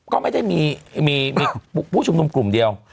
ก็ไม่ได้มีผู้ชุมนุมกลุ่มเดียว